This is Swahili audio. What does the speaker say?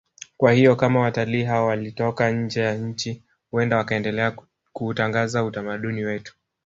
Kwa hiyo kama watalii hao walitoka nje ya nchi huenda wakaendelea kuutangaza utamaduni wetu